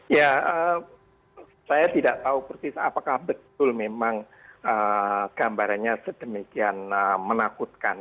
ya saya tidak tahu persis apakah betul memang gambarannya sedemikian menakutkan